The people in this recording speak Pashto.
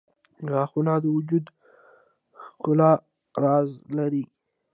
• غاښونه د وجود د ښکلا راز لري.